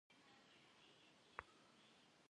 Daui, ar yêzı dunêyrş, psori zılheç'ırş.